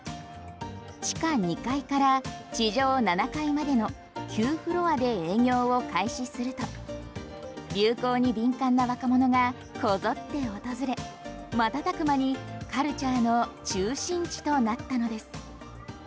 地下２階から地上７階までの９フロアで営業を開始すると流行に敏感な若者がこぞって訪れ瞬く間に、カルチャーの中心地となったのです。